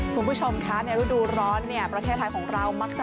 คุณผู้ชมคะในฤดูร้อนเนี่ยประเทศไทยของเรามักจะ